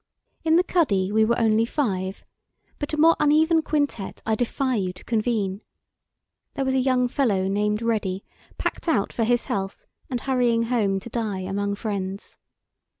In the cuddy we were only five, but a more uneven quintette I defy you to convene. There was a young fellow named Ready, packed out for his health, and hurrying home to die among friends.